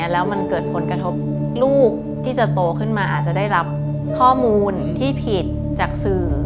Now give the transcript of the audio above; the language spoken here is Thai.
แล้วมันเกิดผลกระทบลูกที่จะโตขึ้นมาอาจจะได้รับข้อมูลที่ผิดจากสื่อ